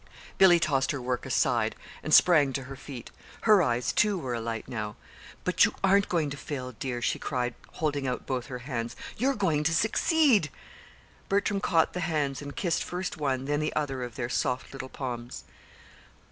Billy tossed her work aside and sprang to her feet. Her eyes, too, were alight, now. "But you aren't going to fail, dear," she cried, holding out both her hands. "You're going to succeed!" Bertram caught the hands and kissed first one then the other of their soft little palms.